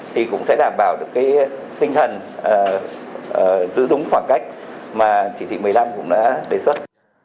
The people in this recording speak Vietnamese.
thì cũng sẽ đảm bảo được cái tinh thần giữ đúng khoảng cách mà chỉ thị một mươi năm cũng đã đề xuất